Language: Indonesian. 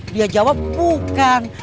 dia jawab bukan